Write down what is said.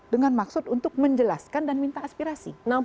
dengan maksud untuk menjelaskan dan minta aspirasi